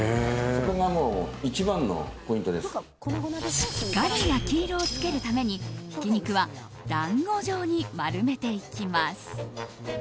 しっかり焼き色を付けるためにひき肉は団子状に丸めていきます。